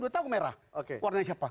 udah tau merah warna siapa